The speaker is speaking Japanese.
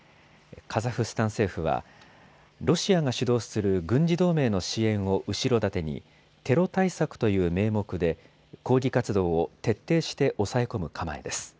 カザフスタン政府はロシアが主導する軍事同盟の支援を後ろ盾にテロ対策という名目で抗議活動を徹底して抑え込む構えです。